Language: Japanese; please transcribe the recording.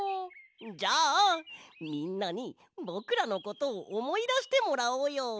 じゃあみんなにぼくらのことをおもいだしてもらおうよ！